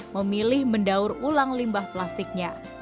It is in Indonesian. memilih mendaur ulang limbah plastiknya